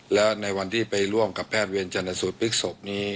แล้วในวันที่ไปร่วมกับแพทย์เวียนชนสุดปิ๊กสลบนี้